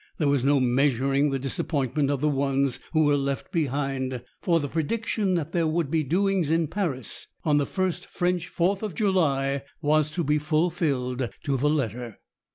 There was no measuring the disappointment of the ones who were left behind, for the prediction that there would be doings in Paris on the first French Fourth of July was to be fulfilled to the letter.